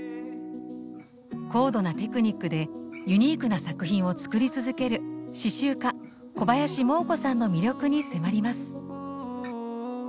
高度なテクニックでユニークな作品を作り続ける刺しゅう家小林モー子さんの魅力に迫ります。